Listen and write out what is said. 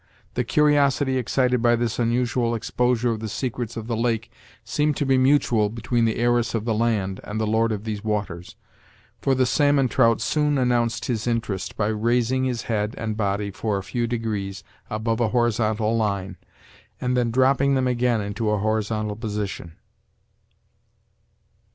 The curiosity excited by this unusual exposure of the secrets of the lake seemed to be mutual between the heiress of the land and the lord of these waters, for the "salmon trout" soon announced his interest by raising his head and body for a few degrees above a horizontal line, and then dropping them again into a horizontal position.